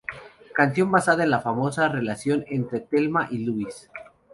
Canción basada en la famosa relación entre Thelma y Louise.